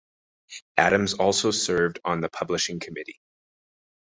Adams also served on the Publishing Committee.